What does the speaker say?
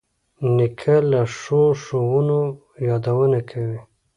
نیکه له ښو ښوونو یادونه کوي.